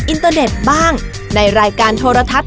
พี่ดาขายดอกบัวมาตั้งแต่อายุ๑๐กว่าขวบ